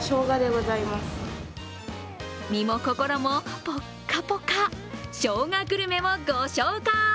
身も心もポッカポカ、しょうがグルメをご紹介。